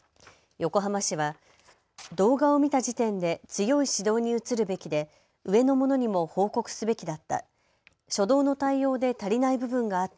横浜市は動画を見た時点で強い指導に移るべきで上の者にも報告すべきだった。